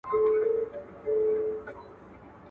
شرنګ د بنګړو د پایل شور وو اوس به وي او کنه.